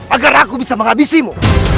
agar aku bisa menghabisimu